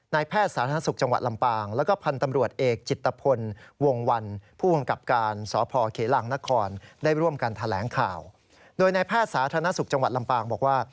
สาธารณสุขจังหวัดลำปางบอกว่า